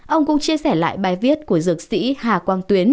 ông cũng chia sẻ lại bài viết của dược sĩ hà quang tuyến